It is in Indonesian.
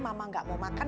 mama gak mau makan